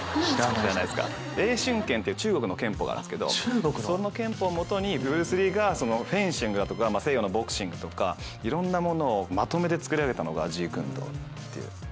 詠春拳っていう中国の拳法があるんですけどその拳法をもとにブルース・リーがフェンシングだとか西洋のボクシングとかいろんなものをまとめて作り上げたのがジークンドー。